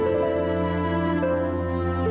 saya bilang terima kasih dulu